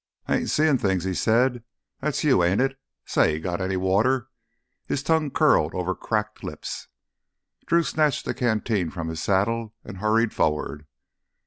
"I ain't sein' things," he said. "That's you, ain't it? Say—got any water?" His tongue curled over cracked lips. Drew snatched the canteen from his saddle and hurried forward.